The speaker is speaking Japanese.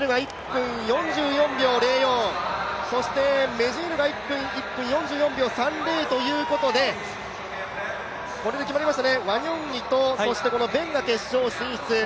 メジーヌが１分４４秒３０ということでこれで決まりましたね、ワニョンイとベンが決勝進出。